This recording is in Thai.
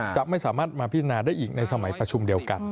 จะไม่สามารถมาพิจารณาได้อีกในสมัยประชุมเดียวกัน